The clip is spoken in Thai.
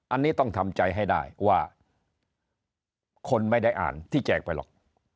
อันนี้ต้องทำใจให้ได้ว่าคนไม่ได้อ่านที่แจกไปหรอก